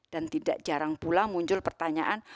dan tidak jarang pula muncul pertanyaan